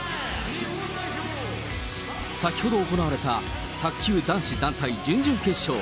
先ほど行われた卓球男子団体準々決勝。